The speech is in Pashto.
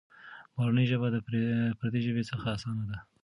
مورنۍ ژبه د پردۍ ژبې څخه اسانه ده.